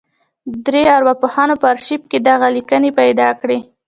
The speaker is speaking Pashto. درې ارواپوهانو په ارشيف کې دغه ليکنې پیدا کړې.